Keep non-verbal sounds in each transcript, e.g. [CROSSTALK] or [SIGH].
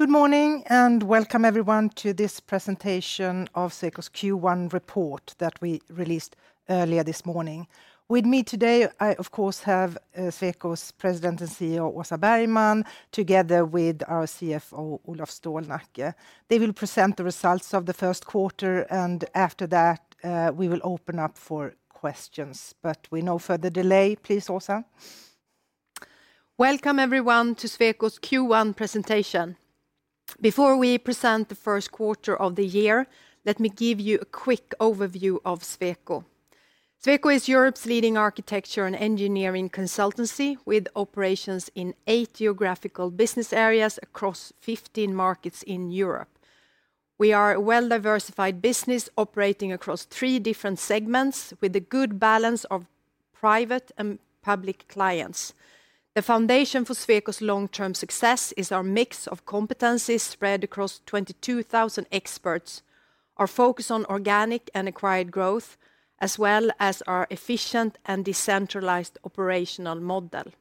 Good morning, and welcome everyone to this presentation of Sweco's Q1 Report that we released earlier this morning. With me today, I, of course, have Sweco's President and CEO, Åsa Bergman, together with our CFO, Olof Stålnacke. They will present the results of the first quarter, and after that, we will open up for questions. With no further delay, please, Åsa. Welcome everyone to Sweco's Q1 presentation. Before we present the first quarter of the year, let me give you a quick overview of Sweco. Sweco is Europe's leading architecture and engineering consultancy, with operations in eight geographical business areas across 15 markets in Europe. We are a well-diversified business operating across three different segments, with a good balance of private and public clients. The foundation for Sweco's long-term success is our mix of competencies spread across 22,000 experts, our focus on organic and acquired growth, as well as our efficient and decentralized operational model.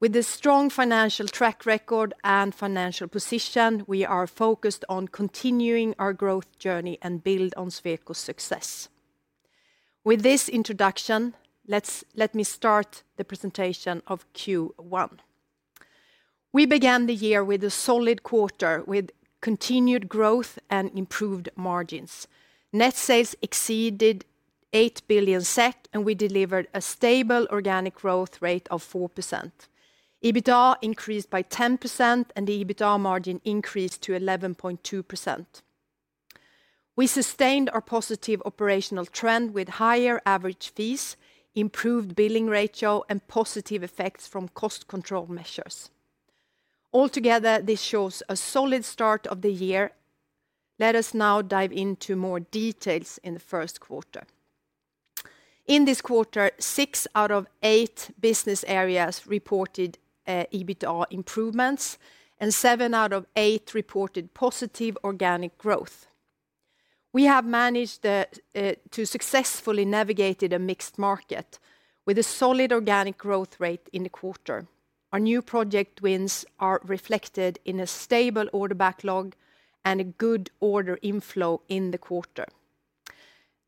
With a strong financial track record and financial position, we are focused on continuing our growth journey and building on Sweco's success. With this introduction, let me start the presentation of Q1. We began the year with a solid quarter, with continued growth and improved margins. Net sales exceeded 8 billion SEK, and we delivered a stable organic growth rate of 4%. EBITDA increased by 10%, and the EBITDA margin increased to 11.2%. We sustained our positive operational trend with higher average fees, improved billing ratio, and positive effects from cost control measures. Altogether, this shows a solid start of the year. Let us now dive into more details in the first quarter. In this quarter, six out of eight business areas reported EBITDA improvements, and seven out of eight reported positive organic growth. We have managed to successfully navigate a mixed market with a solid organic growth rate in the quarter. Our new project wins are reflected in a stable order backlog and a good order inflow in the quarter.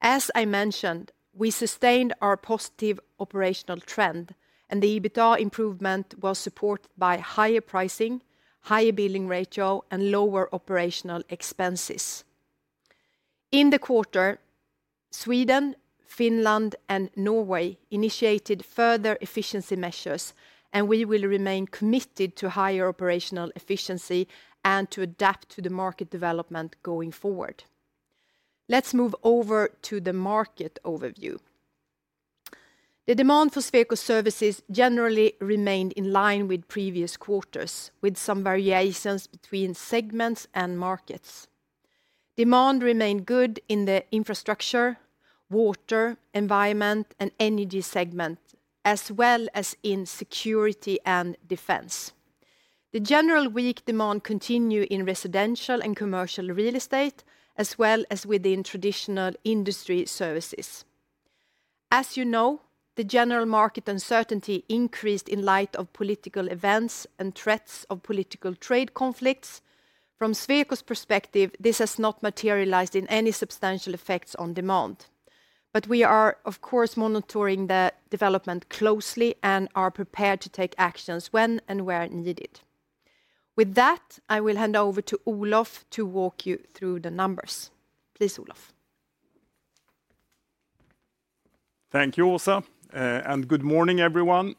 As I mentioned, we sustained our positive operational trend, and the EBITDA improvement was supported by higher pricing, higher billing ratio, and lower operational expenses. In the quarter, Sweden, Finland, and Norway initiated further efficiency measures, and we will remain committed to higher operational efficiency and to adapt to the market development going forward. Let's move over to the market overview. The demand for Sweco services generally remained in line with previous quarters, with some variations between segments and markets. Demand remained good in the infrastructure, water, environment, and energy segments, as well as in security and defense. The general weak demand continued in residential and commercial real estate, as well as within traditional industry services. As you know, the general market uncertainty increased in light of political events and threats of political trade conflicts. From Sweco's perspective, this has not materialized in any substantial effects on demand. We are, of course, monitoring the development closely and are prepared to take actions when and where needed. With that, I will hand over to Olof to walk you through the numbers. Please, Olof. Thank you, Åsa. Good morning, everyone.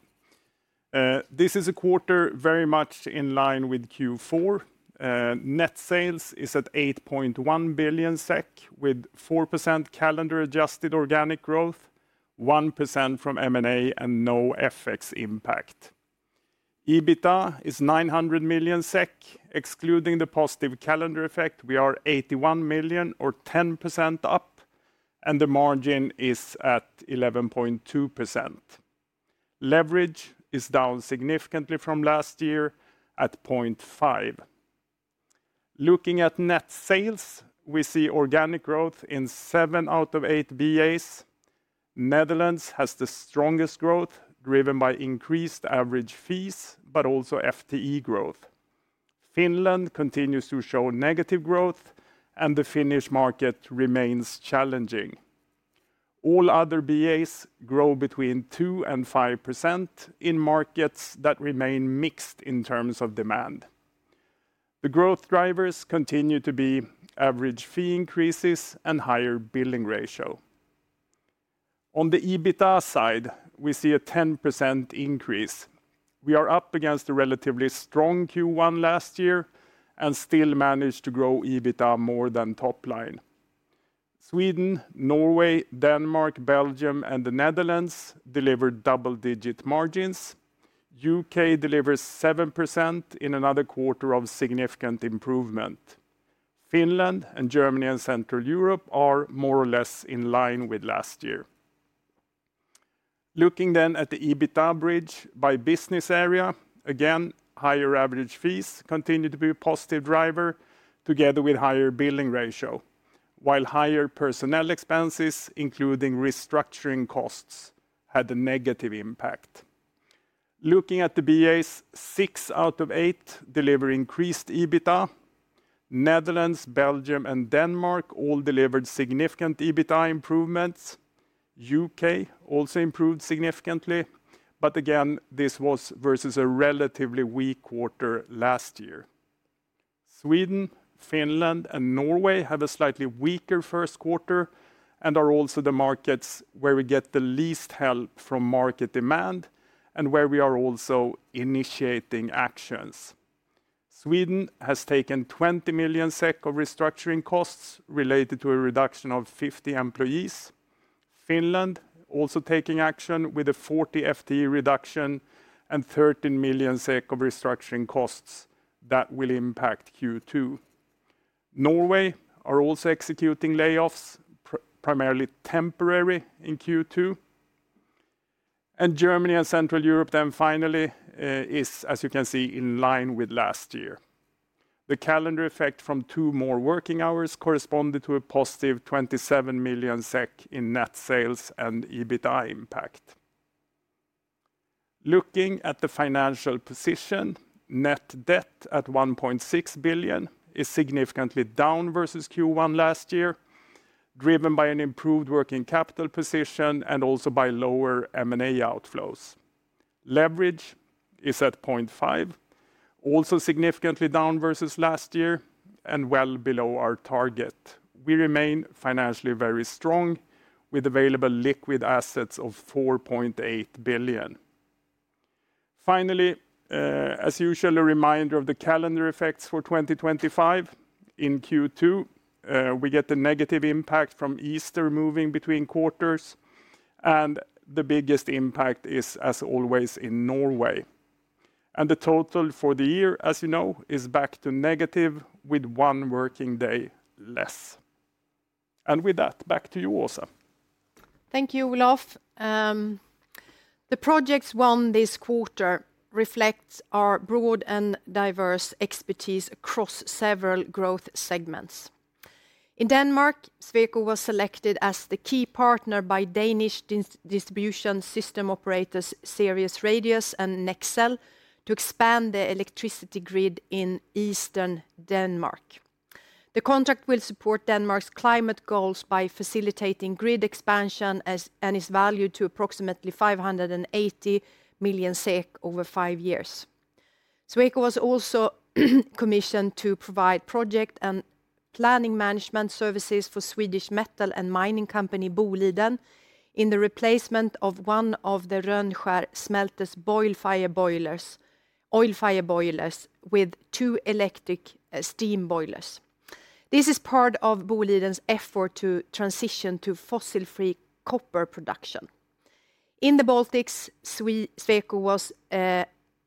This is a quarter very much in line with Q4. Net sales is at 8.1 billion SEK, with 4% calendar-adjusted organic growth, 1% from M&A, and no FX impact. EBITDA is 900 million SEK. Excluding the positive calendar effect, we are 81 million, or 10% up, and the margin is at 11.2%. Leverage is down significantly from last year at 0.5x. Looking at net sales, we see organic growth in seven out of eight BAs. Netherlands has the strongest growth, driven by increased average fees, but also FTE growth. Finland continues to show negative growth, and the Finnish market remains challenging. All other BAs grow between 2% and 5% in markets that remain mixed in terms of demand. The growth drivers continue to be average fee increases and higher billing ratio. On the EBITDA side, we see a 10% increase. We are up against a relatively strong Q1 last year and still managed to grow EBITDA more than top line. Sweden, Norway, Denmark, Belgium, and the Netherlands delivered double-digit margins. U.K. delivers 7% in another quarter of significant improvement. Finland and Germany and Central Europe are more or less in line with last year. Looking then at the EBITDA average by business area, again, higher average fees continue to be a positive driver, together with higher billing ratio, while higher personnel expenses, including restructuring costs, had a negative impact. Looking at the BAs, six out of eight deliver increased EBITDA. Netherlands, Belgium, and Denmark all delivered significant EBITDA improvements. U.K. also improved significantly, but again, this was versus a relatively weak quarter last year. Sweden, Finland, and Norway have a slightly weaker first quarter and are also the markets where we get the least help from market demand and where we are also initiating actions. Sweden has taken 20 million SEK of restructuring costs related to a reduction of 50 employees. Finland is also taking action with a 40 FTE reduction and 13 million SEK of restructuring costs that will impact Q2. Norway is also executing layoffs, primarily temporary, in Q2. Germany and Central Europe then finally are, as you can see, in line with last year. The calendar effect from two more working hours corresponded to a positive 27 million SEK in net sales and EBITDA impact. Looking at the financial position, net debt at 1.6 billion is significantly down versus Q1 last year, driven by an improved working capital position and also by lower M&A outflows. Leverage is at 0.5%, also significantly down versus last year and well below our target. We remain financially very strong with available liquid assets of 4.8 billion. Finally, as usual, a reminder of the calendar effects for 2025. In Q2, we get a negative impact from Easter moving between quarters, and the biggest impact is, as always, in Norway. The total for the year, as you know, is back to negative with one working day less. With that, back to you, Åsa. Thank you, Olof. The projects won this quarter reflect our broad and diverse expertise across several growth segments. In Denmark, Sweco was selected as the key partner by Danish distribution system operators Cerius, Radius and Nexel to expand the electricity grid in eastern Denmark. The contract will support Denmark's climate goals by facilitating grid expansion and is valued at approximately 580 million SEK over five years. Sweco was also commissioned to provide project and planning management services for Swedish metal and mining company Boliden in the replacement of one of the Rönnskär Smelter's oil-fired boilers with two electric steam boilers. This is part of Boliden's effort to transition to fossil-free copper production. In the Baltics, Sweco was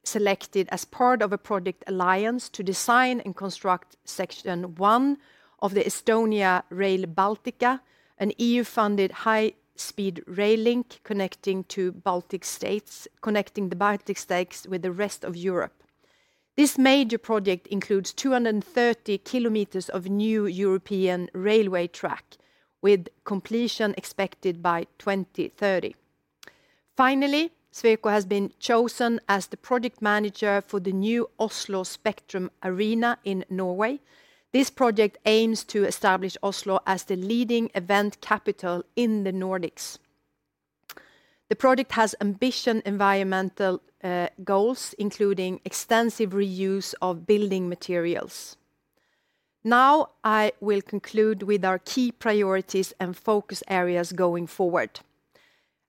selected as part of a project alliance to design and construct Section 1 of the Estonia Rail Baltica, an EU-funded high-speed rail link connecting the Baltic states with the rest of Europe. This major project includes 230 kilometers of new European railway track, with completion expected by 2030. Finally, Sweco has been chosen as the project manager for the new Oslo Spektrum Arena in Norway. This project aims to establish Oslo as the leading event capital in the Nordics. The project has ambitious environmental goals, including extensive reuse of building materials. Now, I will conclude with our key priorities and focus areas going forward.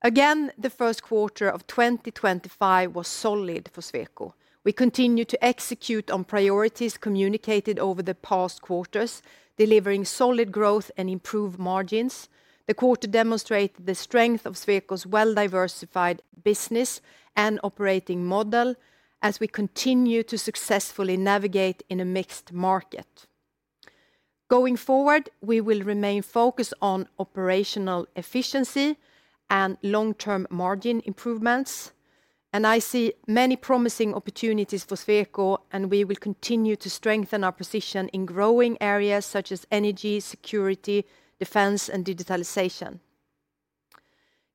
Again, the first quarter of 2025 was solid for Sweco. We continue to execute on priorities communicated over the past quarters, delivering solid growth and improved margins. The quarter demonstrated the strength of Sweco's well-diversified business and operating model as we continue to successfully navigate in a mixed market. Going forward, we will remain focused on operational efficiency and long-term margin improvements. I see many promising opportunities for Sweco, and we will continue to strengthen our position in growing areas such as energy, security, defense, and digitalization.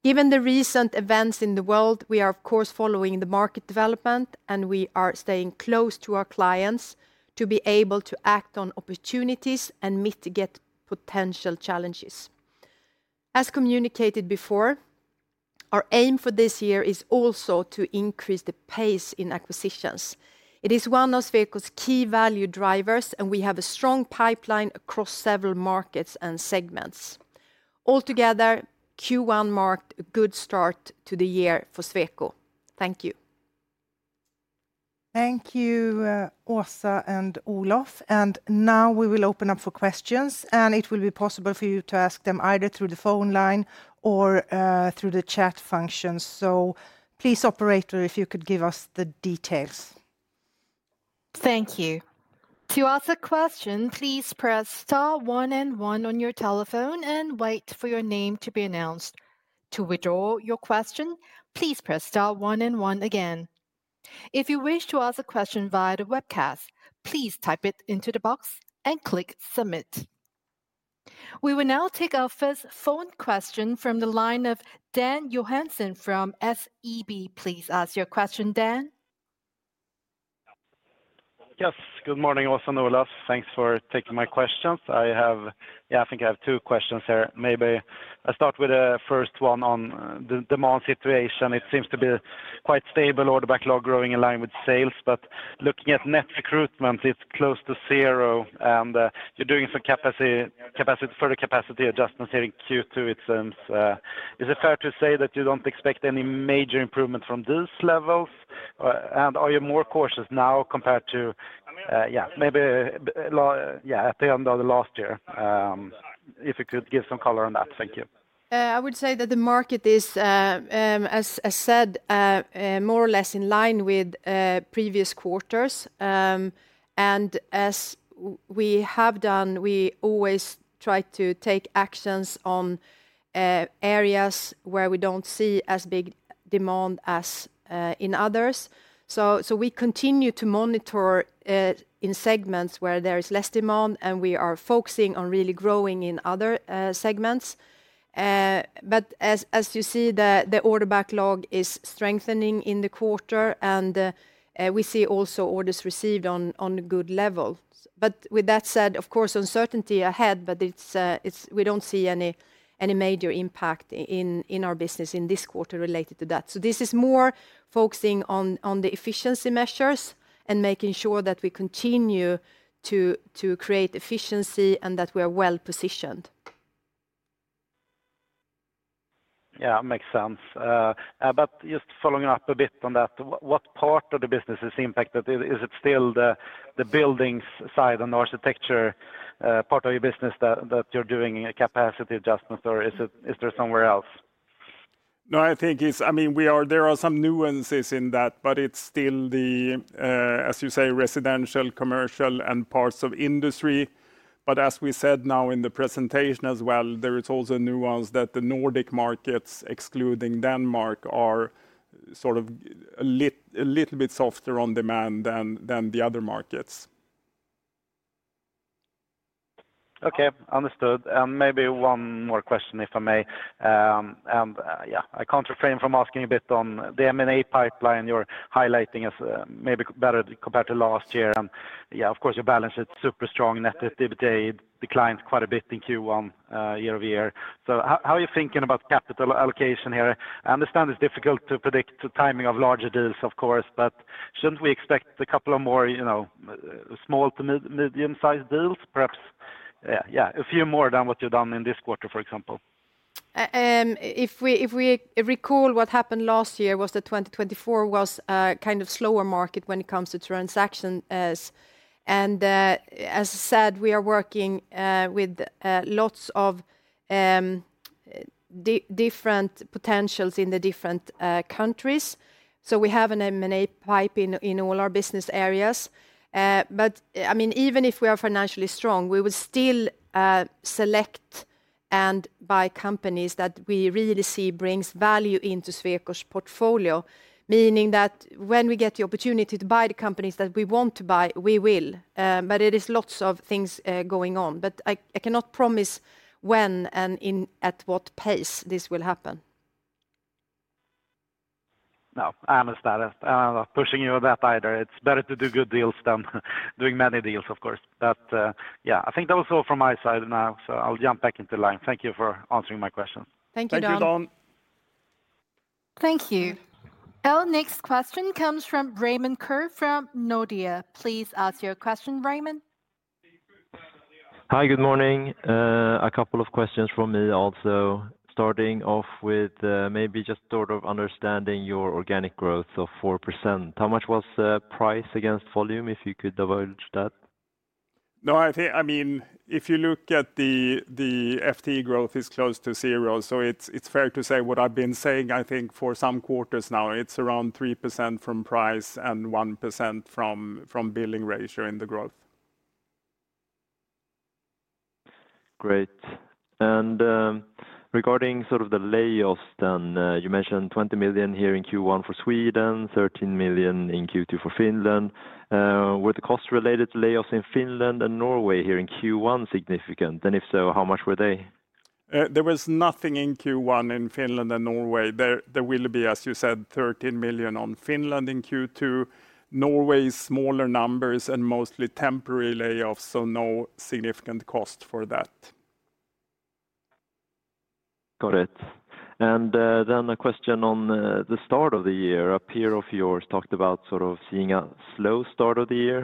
Given the recent events in the world, we are, of course, following the market development, and we are staying close to our clients to be able to act on opportunities and mitigate potential challenges. As communicated before, our aim for this year is also to increase the pace in acquisitions. It is one of Sweco's key value drivers, and we have a strong pipeline across several markets and segments. Altogether, Q1 marked a good start to the year for Sweco. Thank you. Thank you, Åsa and Olof. Now we will open up for questions, and it will be possible for you to ask them either through the phone line or through the chat function. Please, operator, if you could give us the details. Thank you. To ask a question, please press star one and one on your telephone and wait for your name to be announced. To withdraw your question, please press star one and one again. If you wish to ask a question via the webcast, please type it into the box and click submit. We will now take our first phone question from the line of Dan Johansson from SEB. Please ask your question, Dan. Yes, good morning, Åsa and Olof. Thanks for taking my questions. I think I have two questions here. Maybe I'll start with the first one on the demand situation. It seems to be quite stable. Order backlog growing in line with sales, but looking at net recruitment, it's close to zero, and you're doing some further capacity adjustments here in Q2. It seems, is it fair to say that you don't expect any major improvement from these levels? Are you more cautious now compared to, yeah, maybe at the end of the last year? If you could give some color on that, thank you. I would say that the market is, as I said, more or less in line with previous quarters. As we have done, we always try to take actions on areas where we do not see as big demand as in others. We continue to monitor in segments where there is less demand, and we are focusing on really growing in other segments. As you see, the order backlog is strengthening in the quarter, and we see also orders received on a good level. With that said, of course, uncertainty ahead, but we do not see any major impact in our business in this quarter related to that. This is more focusing on the efficiency measures and making sure that we continue to create efficiency and that we are well positioned. Yeah, that makes sense. Just following up a bit on that, what part of the business is impacted? Is it still the buildings side and the architecture part of your business that you're doing capacity adjustment for? Is there somewhere else? No, I think it's, I mean, there are some nuances in that, but it's still the, as you say, residential, commercial, and parts of industry. As we said now in the presentation as well, there is also a nuance that the Nordic markets, excluding Denmark, are sort of a little bit softer on demand than the other markets. Okay, understood. Maybe one more question, if I may. I can't refrain from asking a bit on the M&A pipeline you're highlighting as maybe better compared to last year. Of course, your balance sheet is super strong. Net activity declined quite a bit in Q1 year over year. How are you thinking about capital allocation here? I understand it's difficult to predict the timing of larger deals, of course, but shouldn't we expect a couple of more small to medium-sized deals, perhaps a few more than what you've done in this quarter, for example? If we recall what happened last year, 2024 was a kind of slower market when it comes to transactions. As I said, we are working with lots of different potentials in the different countries. We have an M&A pipe in all our business areas. I mean, even if we are financially strong, we will still select and buy companies that we really see bring value into Sweco's portfolio, meaning that when we get the opportunity to buy the companies that we want to buy, we will. There are lots of things going on, but I cannot promise when and at what pace this will happen. No, I understand it. I'm not pushing you on that either. It is better to do good deals than doing many deals, of course. Yeah, I think that was all from my side now, so I'll jump back into the line. Thank you for answering my question. Thank you, Dan. Thank you, Dan. Thank you. Our next question comes from Raymond Ke from Nordea. Please ask your question, Raymond. Hi, good morning. A couple of questions from me also, starting off with maybe just sort of understanding your organic growth of 4%. How much was price against volume, if you could divulge that? No, I think, I mean, if you look at the FTE growth, it's close to zero. So it's fair to say what I've been saying, I think, for some quarters now, it's around 3% from price and 1% from billing ratio in the growth. Great. Regarding sort of the layoffs then, you mentioned 20 million here in Q1 for Sweden, 13 million in Q2 for Finland. Were the cost-related layoffs in Finland and Norway here in Q1 significant? If so, how much were they? There was nothing in Q1 in Finland and Norway. There will be, as you said, 13 million on Finland in Q2. Norway's smaller numbers and mostly temporary layoffs, so no significant cost for that. Got it. A question on the start of the year. A peer of yours talked about sort of seeing a slow start of the year,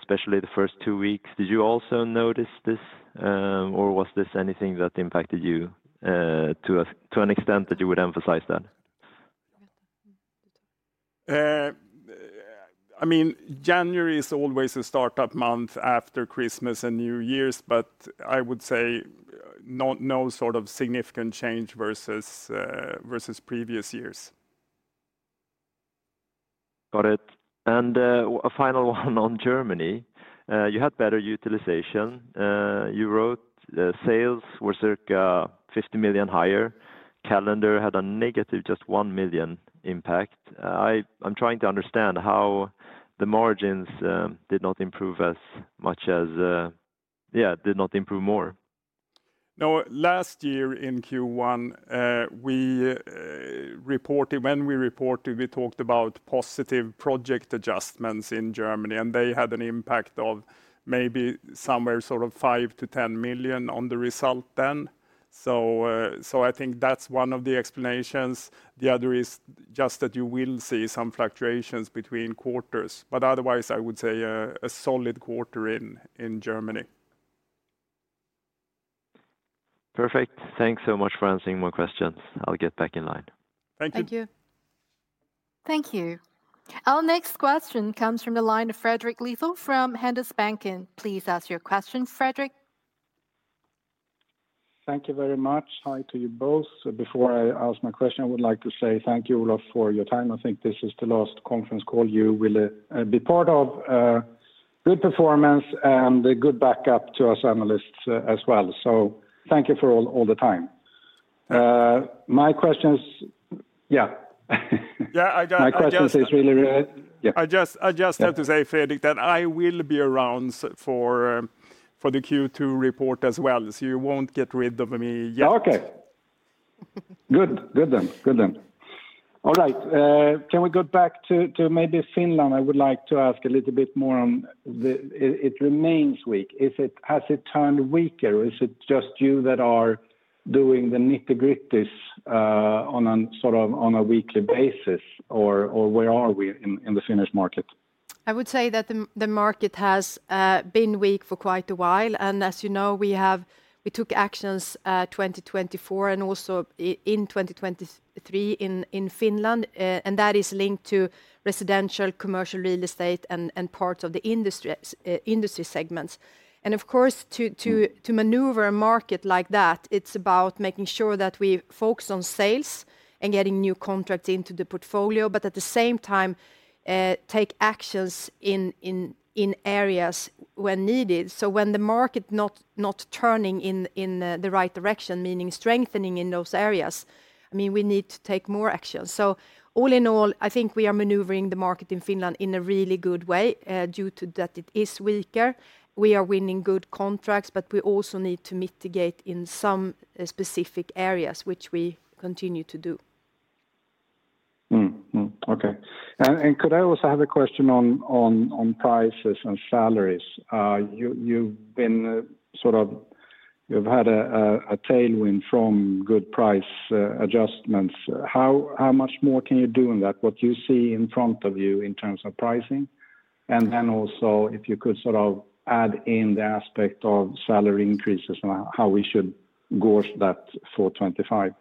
especially the first two weeks. Did you also notice this, or was this anything that impacted you to an extent that you would emphasize that? I mean, January is always a start-up month after Christmas and New Year's, but I would say no sort of significant change versus previous years. Got it. A final one on Germany. You had better utilization. You wrote sales were circa 50 million higher. Calendar had a negative just 1 million impact. I'm trying to understand how the margins did not improve as much as, yeah, did not improve more. No, last year in Q1, we reported, when we reported, we talked about positive project adjustments in Germany, and they had an impact of maybe somewhere sort of 5 million-10 million on the result then. I think that's one of the explanations. The other is just that you will see some fluctuations between quarters, but otherwise, I would say a solid quarter in Germany. Perfect. Thanks so much for answering my questions. I'll get back in line. Thank you. [CROSSTALK] Thank you. Our next question comes from the line of Fredrik Lithell from Handelsbanken. Please ask your question, Fredrik. Thank you very much. Hi to you both. Before I ask my question, I would like to say thank you, Olof, for your time. I think this is the last conference call you will be part of. Good performance and good backup to us analysts as well. Thank you for all the time. My questions, yeah. Yeah, I got my questions. My question is really. I just have to say, Fredrik, that I will be around for the Q2 report as well. You won't get rid of me yet. Okay. Good, good then. All right. Can we go back to maybe Finland? I would like to ask a little bit more on it remains weak. Has it turned weaker, or is it just you that are doing the nitty-gritties on a sort of on a weekly basis, or where are we in the Finnish market? I would say that the market has been weak for quite a while. As you know, we took actions in 2024 and also in 2023 in Finland, and that is linked to residential, commercial real estate, and parts of the industry segments. Of course, to maneuver a market like that, it's about making sure that we focus on sales and getting new contracts into the portfolio, but at the same time, take actions in areas when needed. When the market is not turning in the right direction, meaning strengthening in those areas, I mean, we need to take more action. All in all, I think we are maneuvering the market in Finland in a really good way due to that it is weaker. We are winning good contracts, but we also need to mitigate in some specific areas, which we continue to do. Okay. Could I also have a question on prices and salaries? You've been sort of, you've had a tailwind from good price adjustments. How much more can you do in that? What do you see in front of you in terms of pricing? If you could sort of add in the aspect of salary increases and how we should go for 2025.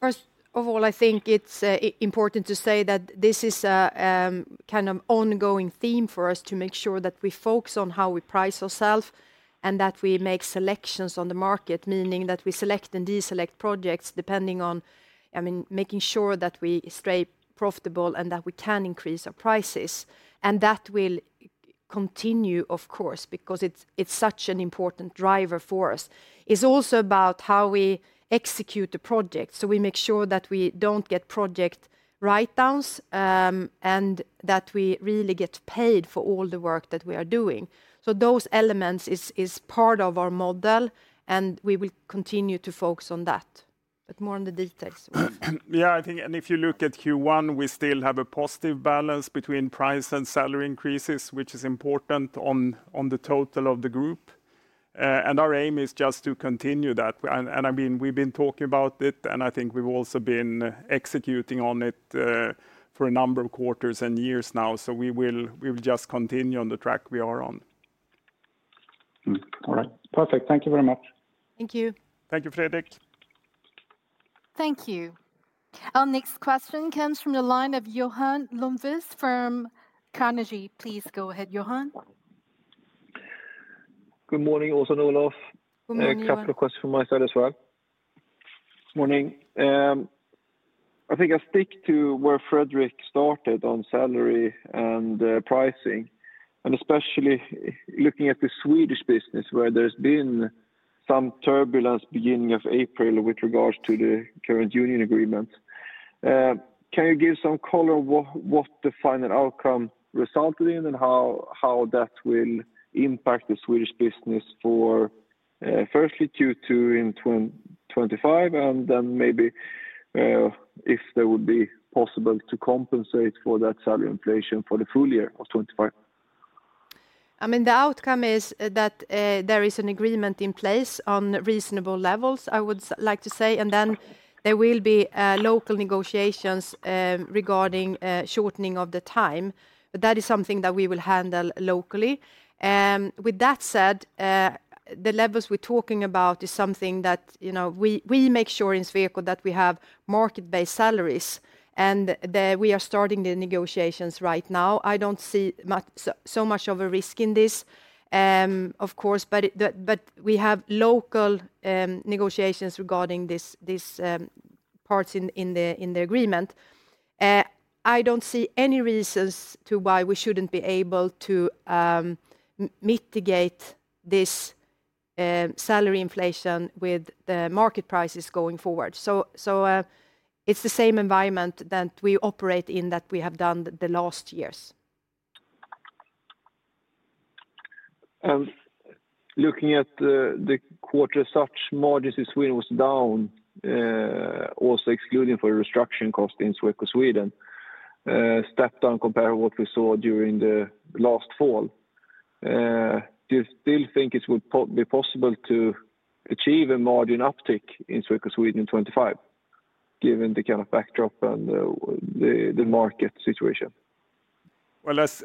First of all, I think it's important to say that this is a kind of ongoing theme for us to make sure that we focus on how we price ourselves and that we make selections on the market, meaning that we select and deselect projects depending on, I mean, making sure that we stay profitable and that we can increase our prices. That will continue, of course, because it's such an important driver for us. It's also about how we execute the project. We make sure that we don't get project write-downs and that we really get paid for all the work that we are doing. Those elements are part of our model, and we will continue to focus on that. More on the details. Yeah, I think, and if you look at Q1, we still have a positive balance between price and salary increases, which is important on the total of the group. Our aim is just to continue that. I mean, we've been talking about it, and I think we've also been executing on it for a number of quarters and years now. We will just continue on the track we are on. All right. Perfect. Thank you very much. Thank you. Thank you, Fredrik. Thank you. Our next question comes from the line of Johan Lönnqvist from Carnegie. Please go ahead, Johan. Good morning, Åsa and Olof. Good morning, Johan. A couple of questions from my side as well. Good morning. I think I'll stick to where Fredrik started on salary and pricing, and especially looking at the Swedish business where there's been some turbulence beginning of April with regards to the current union agreement. Can you give some color on what the final outcome resulted in and how that will impact the Swedish business for firstly Q2 in 2025, and then maybe if there would be possible to compensate for that salary inflation for the full year of 2025? I mean, the outcome is that there is an agreement in place on reasonable levels, I would like to say, and there will be local negotiations regarding shortening of the time. That is something that we will handle locally. With that said, the levels we're talking about is something that we make sure in Sweco that we have market-based salaries, and we are starting the negotiations right now. I don't see so much of a risk in this, of course, but we have local negotiations regarding these parts in the agreement. I don't see any reasons to why we shouldn't be able to mitigate this salary inflation with the market prices going forward. It is the same environment that we operate in that we have done the last years. Looking at the quarter, such margins in Sweden was down, also excluding for the restructuring cost in Sweco Sweden, stepped down compared to what we saw during the last fall. Do you still think it would be possible to achieve a margin uptick in Sweco Sweden in 2025, given the kind of backdrop and the market situation?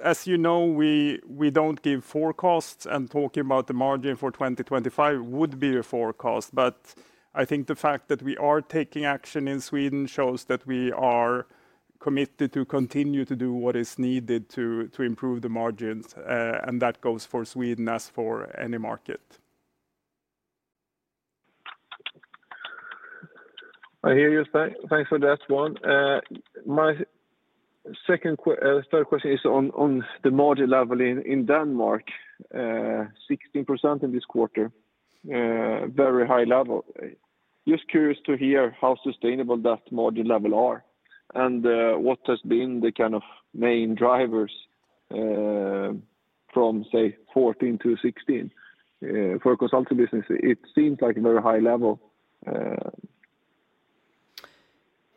As you know, we don't give forecasts, and talking about the margin for 2025 would be a forecast. I think the fact that we are taking action in Sweden shows that we are committed to continue to do what is needed to improve the margins, and that goes for Sweden as for any market. I hear you. Thanks for that one. My second third question is on the margin level in Denmark, 16% in this quarter, very high level. Just curious to hear how sustainable that margin level is and what has been the kind of main drivers from, say, 14%-16% for consulting business. It seems like a very high level.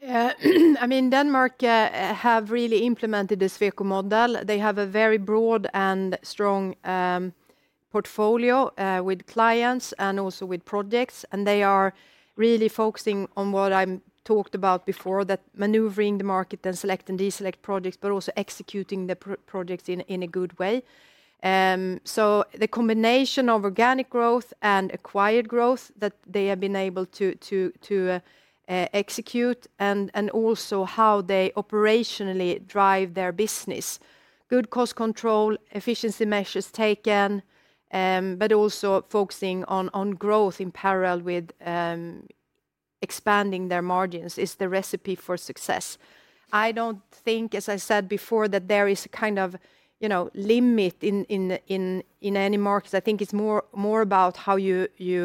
I mean, Denmark has really implemented the Sweco model. They have a very broad and strong portfolio with clients and also with projects, and they are really focusing on what I talked about before, that maneuvering the market and selecting and deselecting projects, but also executing the projects in a good way. The combination of organic growth and acquired growth that they have been able to execute and also how they operationally drive their business. Good cost control, efficiency measures taken, but also focusing on growth in parallel with expanding their margins is the recipe for success. I do not think, as I said before, that there is a kind of limit in any market. I think it is more about how you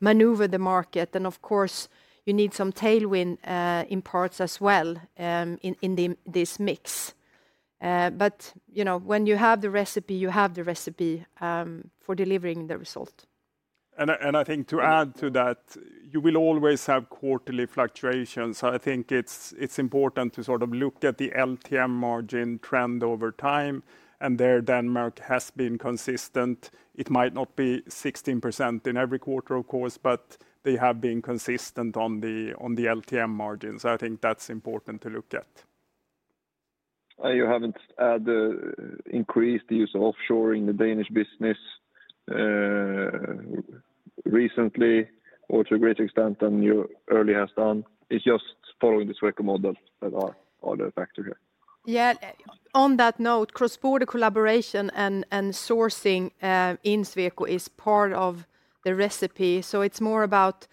maneuver the market, and of course, you need some tailwind in parts as well in this mix. When you have the recipe, you have the recipe for delivering the result. I think to add to that, you will always have quarterly fluctuations. I think it's important to sort of look at the LTM margin trend over time, and there Denmark has been consistent. It might not be 16% in every quarter, of course, but they have been consistent on the LTM margins. I think that's important to look at. You haven't increased the use of offshoring in the Danish business recently, or to a greater extent than you earlier have done. It's just following the Sweco model that is the factor here. Yeah, on that note, cross-border collaboration and sourcing in Sweco is part of the recipe. It is more about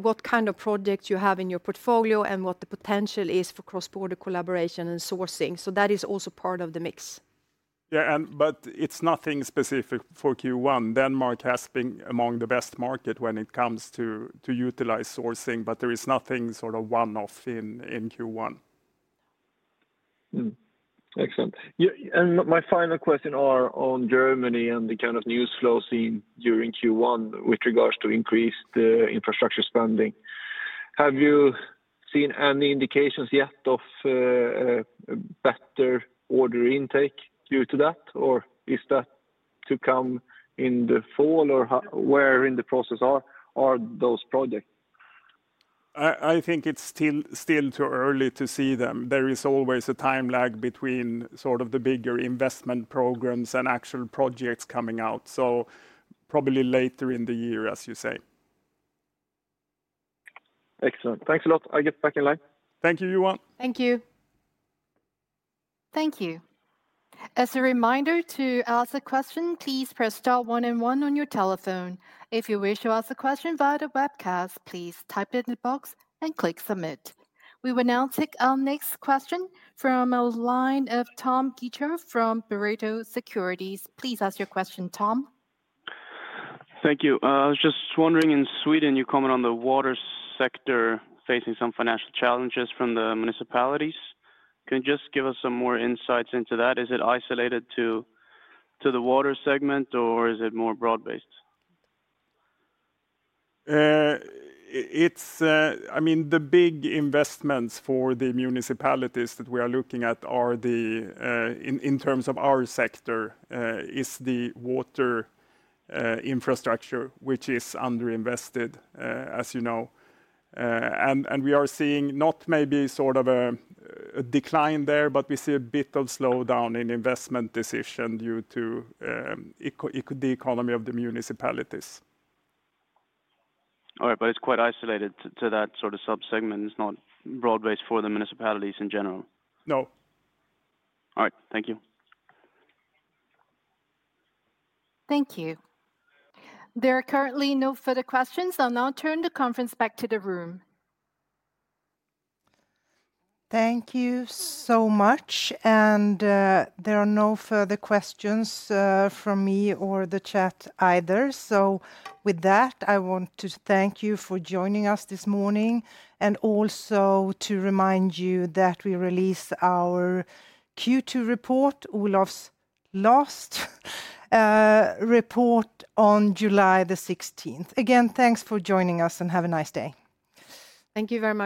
what kind of projects you have in your portfolio and what the potential is for cross-border collaboration and sourcing. That is also part of the mix. Yeah, but it's nothing specific for Q1. Denmark has been among the best market when it comes to utilize sourcing, but there is nothing sort of one-off in Q1. Excellent. My final question is on Germany and the kind of news flow seen during Q1 with regards to increased infrastructure spending. Have you seen any indications yet of better order intake due to that, or is that to come in the fall, or where in the process are those projects? I think it's still too early to see them. There is always a time lag between sort of the bigger investment programs and actual projects coming out. Probably later in the year, as you say. Excellent. Thanks a lot. I'll get back in line. Thank you, Johan. Thank you. Thank you. As a reminder to ask a question, please press star one and one on your telephone. If you wish to ask a question via the webcast, please type it in the box and click submit. We will now take our next question from our line of Tom Guinchard from Pareto Securities. Please ask your question, Tom. Thank you. I was just wondering in Sweden, you comment on the water sector facing some financial challenges from the municipalities. Can you just give us some more insights into that? Is it isolated to the water segment, or is it more broad-based? I mean, the big investments for the municipalities that we are looking at are the, in terms of our sector, is the water infrastructure, which is underinvested, as you know. We are seeing not maybe sort of a decline there, but we see a bit of slowdown in investment decision due to the economy of the municipalities. All right, but it's quite isolated to that sort of subsegment. It's not broad-based for the municipalities in general. No. All right. Thank you. Thank you. There are currently no further questions. I'll now turn the conference back to the room. Thank you so much. There are no further questions from me or the chat either. With that, I want to thank you for joining us this morning and also to remind you that we released our Q2 report, Olof's last report, on July 16. Again, thanks for joining us and have a nice day. Thank you very much.